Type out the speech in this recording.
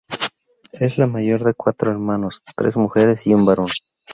Es la mayor de cuatro hermanos, tres mujeres y un varón.